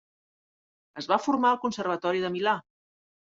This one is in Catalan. Es va formar al Conservatori de Milà.